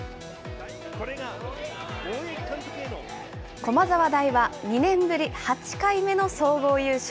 駒沢大は２年ぶり８回目の総合優勝。